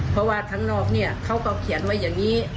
เพราะว่าทั้งนอกเนี่ยเขาก็เขียนไว้อย่างนี้